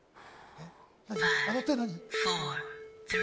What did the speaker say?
あの手何？